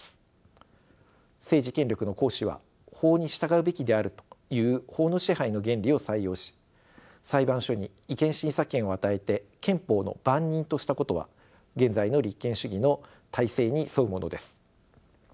政治権力の行使は法に従うべきであるという法の支配の原理を採用し裁判所に違憲審査権を与えて「憲法の番人」としたことは現在の立憲主義の大勢に沿うものです。